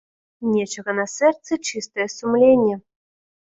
Нечага на сэрцы чыстае сумленне.